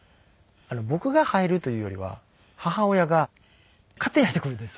僕が入るというよりは母親が勝手に入ってくるんですよ。